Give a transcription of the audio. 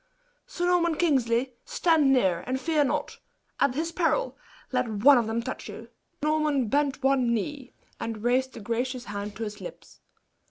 Sir Norman Kingsley, stand near, and fear not. At his peril, let one of them touch you!" Sir Norman bent on one knee, and raised the gracious hand to his lips.